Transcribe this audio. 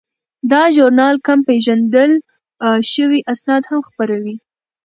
دا ژورنال کم پیژندل شوي اسناد هم خپروي.